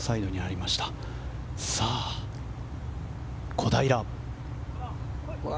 小平。